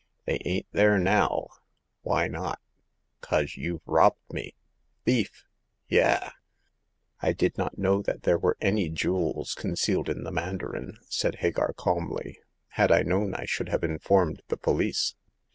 They ain't there now ! Why not ? 'Cause you've robbed me ! Thief ! Yah !"I did not know that there were any jewels concealed in the mandarin," said Hagar, calmly. Had I known I should have informed the police."